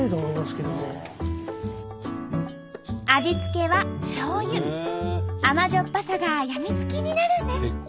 味付けは甘じょっぱさが病みつきになるんです。